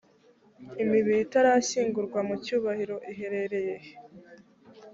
imibiri itarashyingurwa mu cyubahiro iherereye he?